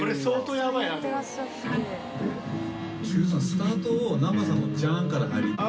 ・スタートを南原さんのジャンから入る・・